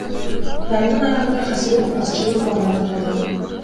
Таймдын аягында Хосилот азчылык абалда калды.